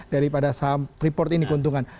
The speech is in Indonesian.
daripada saham free forth ini keuntungan